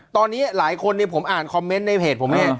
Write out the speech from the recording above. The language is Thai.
ตอนนี้หลายคนผมอ่านคอมเมนต์ในเพจผมเนี่ย